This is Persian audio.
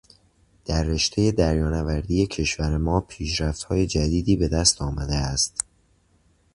در رشتهٔ دریانوردی کشور ما پیشرفتهای جدیدی به دست آمده است.